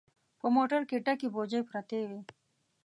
په موټر کې ډکې بوجۍ پرتې وې.